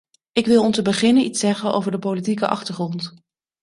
Ik wil om te beginnen iets zeggen over de politieke achtergrond.